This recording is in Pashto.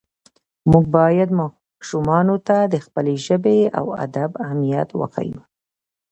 موږ باید ماشومانو ته د خپلې ژبې او ادب اهمیت وښیو